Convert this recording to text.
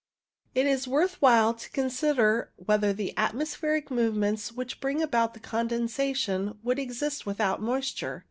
It is worth while to consider whether the atmospheric movements which bring about the condensation could exist without moisture.